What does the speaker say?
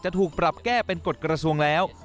ถูกปรับแก้เป็นกฎกระทรวงแล้ว